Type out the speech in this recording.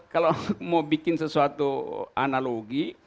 mau bikin sesuatu analogi